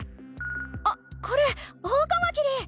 あっこれオオカマキリ！